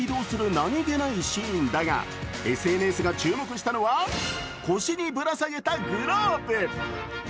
何気ないシーンだが、ＳＮＳが注目したのは、腰にぶら下げたグローブ。